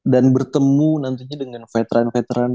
dan bertemu nantinya dengan veteran veteran